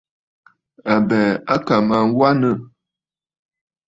Àbɛ̀ɛ̀ à kà mə aa wanə.